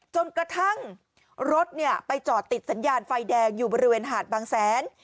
จนกระทั่งรถไปจอดติดสัญญาณไฟแดงอยู่บริเวณหาดบางแสน